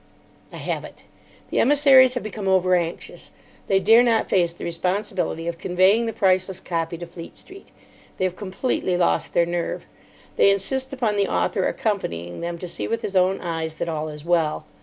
I have it. The emissaries have become over anxious. They dare not face the responsibility of conveying the priceless copy to Fleet Street. They have completely lost their nerve. They insist upon the author accompanying them to see with his own eyes that all is well.